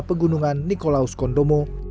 pegunungan nikolaus kondomo